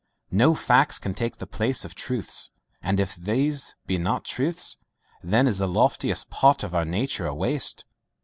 No facts can take the place of truths, and if these be not truths, then is the loftiest part of our nature a waste.